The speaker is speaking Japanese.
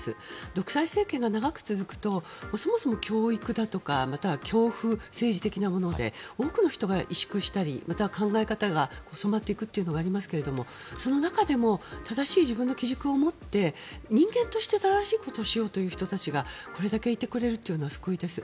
独裁政権が長く続くとそもそも教育だとかまたは恐怖政治的なもので多くの人が萎縮したり考え方が染まっていくというのがありますけどその中でも正しい自分の機軸を持って人間として正しいことをしようとしている人がこれだけいてくれるというのは救いです。